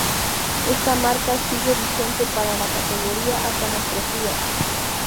Esta marca sigue vigente para la categoría hasta nuestros días.